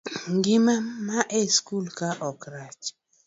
ngima ma e skul kae ok rach